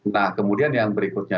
nah kemudian yang berikutnya